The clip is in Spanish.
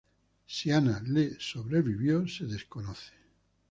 Si Ana le sobrevivió se desconoce.